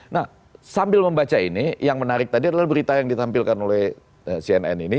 nah sambil membaca ini yang menarik tadi adalah berita yang ditampilkan oleh cnn ini